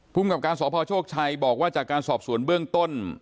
กับการสพโชคชัยบอกว่าจากการสอบสวนเบื้องต้น